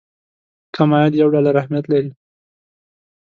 کم عاید یو ډالر اهميت لري.